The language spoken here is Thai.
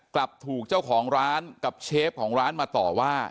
กลับถูกเจ้าของร้านกับเชฟของร้านมาต่อว่า